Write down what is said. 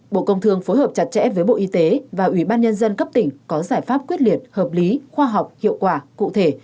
bộ công thương phối hợp chặt chẽ với bộ y tế và ủy ban nhân dân cấp tỉnh có giải pháp quyết liệt hợp lý khoa học hiệu quả cụ thể